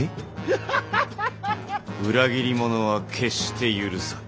アハハハハハッ！裏切り者は決して許さぬ。